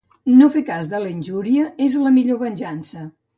No fer cas de la injúria és la millor venjança.